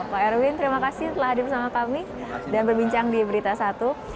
pak erwin terima kasih telah hadir bersama kami dan berbincang di berita satu